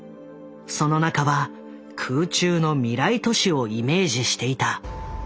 その中は空中の未来都市をイメージしていた。